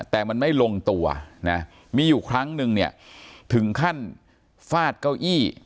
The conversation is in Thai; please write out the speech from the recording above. แต่มันไม่ลงตัวนะมีอยู่ครั้งนึงเนี่ยถึงขั้นฟาดเก้าอี้